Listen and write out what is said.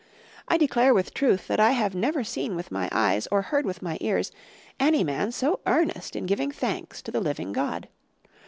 I declare with truth that I have never seen with my eyes, or heard with my ears, any man so earnest in giving thanks to the living God.